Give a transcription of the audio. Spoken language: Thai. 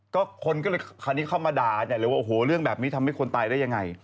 คนนี้เขามาด่าเรื่องแบบนี้ทำให้คนตายได้ยังไง